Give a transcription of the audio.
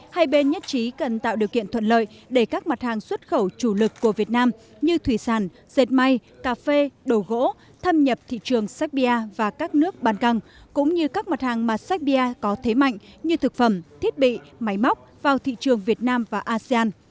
hai bên nhất trí cần tạo điều kiện thuận lợi để các mặt hàng xuất khẩu chủ lực của việt nam như thủy sản dệt may cà phê đồ gỗ thâm nhập thị trường serbia và các nước ban căng cũng như các mặt hàng mà serbia có thế mạnh như thực phẩm thiết bị máy móc vào thị trường việt nam và asean